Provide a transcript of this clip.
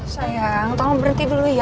sayang tolong berhenti dulu ya